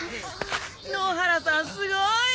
野原さんすごい！